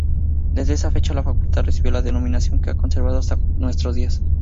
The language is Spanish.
Desde esa fecha, la Facultad recibió la denominación que ha conservado hasta nuestros días.